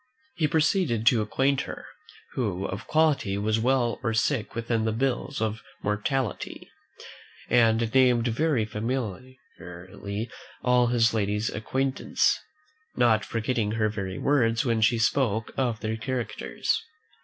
He proceeded to acquaint her, who of quality was well or sick within the bills of mortality, and named very familiarly all his lady's acquaintance, not forgetting her very words when he spoke of their characters.